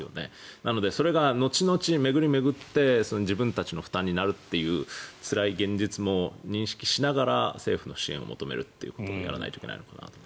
なので、それが後々巡り巡って自分たちの負担になるというつらい現実も認識しながら、政府の支援を求めるということかなと。